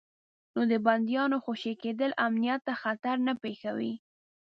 نو د بندیانو خوشي کېدل امنیت ته خطر نه پېښوي.